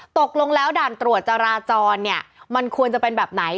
ตกลงแล้วด่านตรวจจราจรเนี่ยมันควรจะเป็นแบบไหน